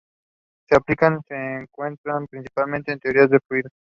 Sus aplicaciones se encuentran principalmente en teoría de fluidos.